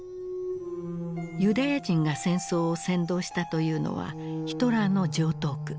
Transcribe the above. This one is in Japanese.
ユダヤ人が戦争を扇動したというのはヒトラーの常套句。